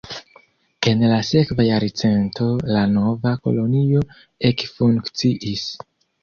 En la sekva jarcento la nova kolonio ekfunkciis.